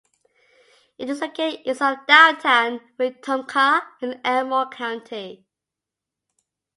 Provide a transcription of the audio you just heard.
It is located east of downtown Wetumpka in Elmore County.